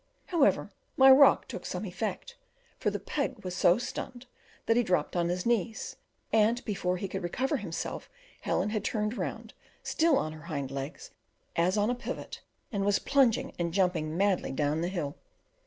However, my rock took some effect, for the pig was so stunned that he dropped on his knees, and before he could recover himself Helen had turned round, still on her hind legs, as on a pivot, and was plunging and jumping madly down the hill.